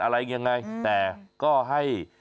อะไรยังไงแต่ก็ให้